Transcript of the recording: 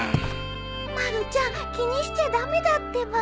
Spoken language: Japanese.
まるちゃん気にしちゃ駄目だってば。